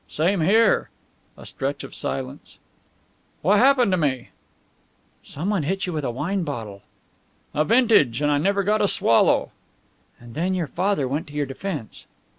"Same here!" A stretch of silence. "What happened to me?" "Someone hit you with a wine bottle." "A vintage and I never got a swallow!" "And then your father went to your defense."